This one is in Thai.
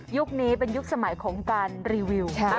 นี้เป็นยุคสมัยของการรีวิว